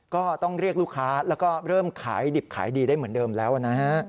ก็ต้องเรียกลูกค้าแล้วก็เริ่มขายดิบขายดีได้เหมือนเดิมแล้วนะฮะ